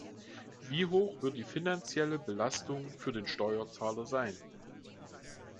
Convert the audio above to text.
Wie hoch wird die finanzielle Belastung für den Steuerzahler sein?